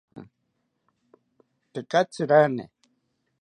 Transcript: Tekatzi rane